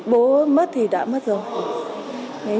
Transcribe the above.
bố mất thì đã mất rồi